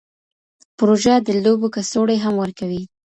پروژه د لوبو کڅوړې هم ورکوي.